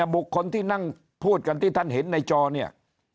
บุคคลที่นั่งพูดกันที่ท่านเห็นในจอเนี่ย